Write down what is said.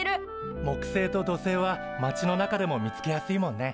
木星と土星は町の中でも見つけやすいもんね。